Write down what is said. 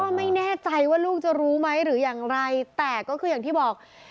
ไม่แน่ใจว่าลูกจะรู้ไหมหรืออย่างไรแต่ก็คืออย่างที่บอก